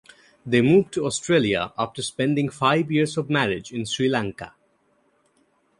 They moved to Australia after spending five years of marriage in Sri Lanka.